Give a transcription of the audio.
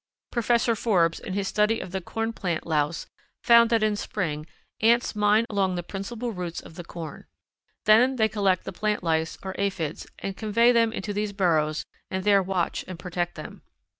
Professor Forbes, in his study of the corn plant louse, found that in spring ants mine along the principal roots of the corn. Then they collect the plant lice, or aphids, and convey them into these burrows and there watch and protect them.